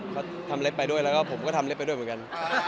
เขาทำเล็บไปด้วยแล้วก็ผมก็ทำเล็บไปด้วยเหมือนกัน